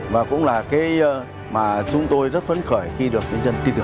và cũng là cái mà chúng tôi rất phấn khởi khi được những dân tiêu dựa